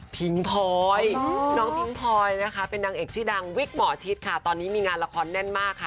พลอยน้องพิงพลอยนะคะเป็นนางเอกชื่อดังวิกหมอชิดค่ะตอนนี้มีงานละครแน่นมากค่ะ